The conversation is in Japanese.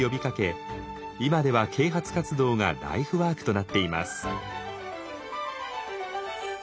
今では啓発活動がライフワークとなっています。